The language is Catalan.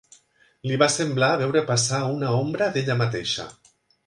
Li va semblar veure passar una ombra d'ella mateixa